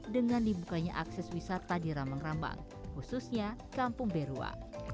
dengan dibukanya akses wisata di ramang ramang khususnya kampung barua